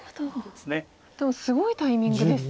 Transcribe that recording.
でもすごいタイミングですね。